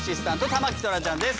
田牧そらちゃんです。